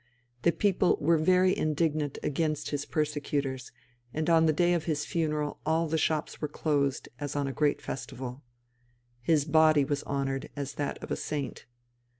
The people were very indignant against his persecutors, and on the day of his funeral all the shops were closed as on a great festival. His body was honoured as that of a saint.